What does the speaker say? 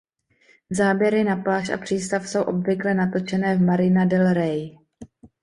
Záběry na pláž a přístav jsou obvykle natočené v Marina del Rey.